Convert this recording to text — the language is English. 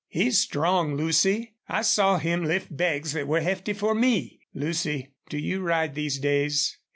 "He's strong, Lucy. I saw him lift bags that were hefty for me.... Lucy, do you ride these days?"